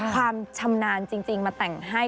ความชำนาญจริงมาแต่งให้